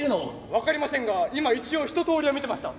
分かりませんが今一応一とおりは見てました。